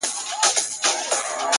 څوک به نو څه رنګه اقبا وویني.